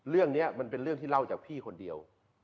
เรื่องนี้มันเป็นเรื่องที่เล่าจากพี่คนเดียว